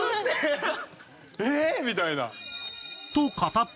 みたいな。